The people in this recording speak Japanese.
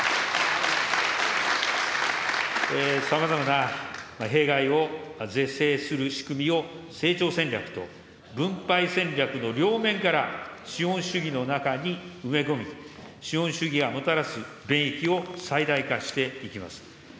さまざまな弊害を是正する仕組みを成長戦略と分配戦略の両面から資本主義の中に埋め込み、資本主義がもたらす利益を最大化していきます。